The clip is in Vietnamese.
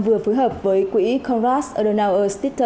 vừa phối hợp với quỹ congress